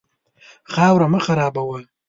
خاوره مه خرابوه.